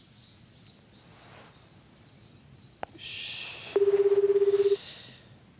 よし。